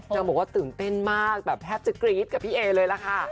บอกว่าตื่นเต้นมากแบบแทบจะกรี๊ดกับพี่เอเลยล่ะค่ะ